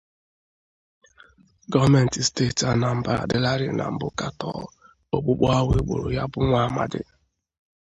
gọọmenti steeti Anambra adịlarị na mbụ katọọ ogbugbu ahụ e gburu ya bụ nwa amadi